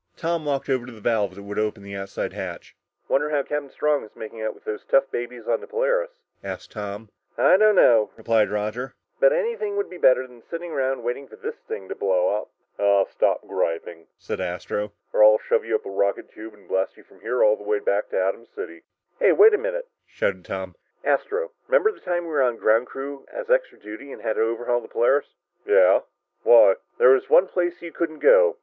Tom walked over to the valve that would open the outside hatch. "Wonder how Captain Strong is making out with those tough babies on the Polaris?" asked Tom. "I don't know," replied Roger, "but anything would be better than sitting around waiting for this thing to blow up!" "Ah stop griping," said Astro, "or I'll shove you up a rocket tube and blast you from here all the way back to Atom City!" "Hey, wait a minute!" shouted Tom. "Astro, remember the time we were on the ground crew as extra duty and we had to overhaul the Polaris?" "Yeah, why?" "There was one place you couldn't go.